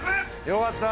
よかった